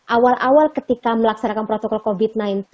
awal awal ketika melaksanakan protokol covid sembilan belas